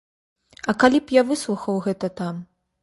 А калі б я выслухаў гэта там!